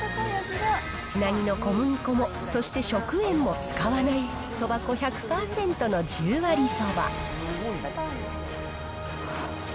つなぎの小麦粉も、そして食塩も使わない、そば粉１００％の十割そば。